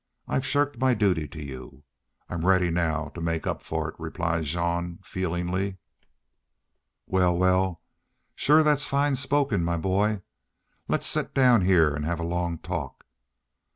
I've shirked my duty to you. I'm ready now to make up for it," replied Jean, feelingly. "Wal, wal, shore thats fine spoken, my boy.... Let's set down heah an' have a long talk.